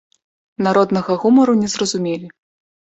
Народнага гумару не зразумелі.